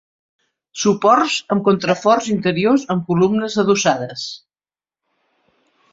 Suports amb contraforts interiors amb columnes adossades.